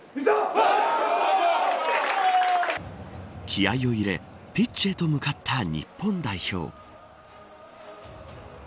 気合いを入れピッチへと向かった日本代表。